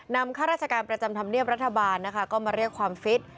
ข้าราชการประจำธรรมเนียบรัฐบาลนะคะก็มาเรียกความฟิต